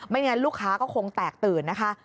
งั้นลูกค้าก็คงแตกตื่นนะคะ